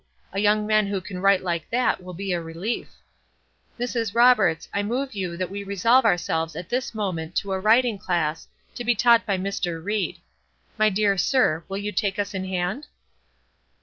A young man who can write like that will be a relief.' Mrs. Roberts, I move you that we resolve ourselves at this moment into a writing class, to be taught by Mr. Ried. My dear sir, will you take us in hand?"